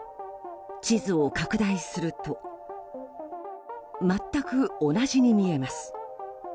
地図を拡大すると全く同じに見えます。